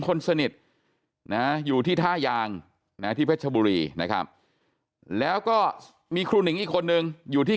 คนสนิทนะอยู่ที่ท่ายางนะที่เพชรบุรีนะครับแล้วก็มีครูหนิงอีกคนนึงอยู่ที่